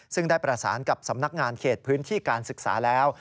ซึ่งได้ประสานกับสำนักงานเขตพื้นที่การศึกษาแล้ว